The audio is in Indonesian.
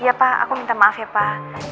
iya pak aku minta maaf ya pak